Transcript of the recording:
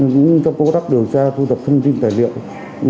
cũng trong công tác điều tra thu thập thông tin tài liệu